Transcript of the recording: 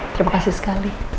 terima kasih sekali